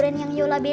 sekarang ber streaming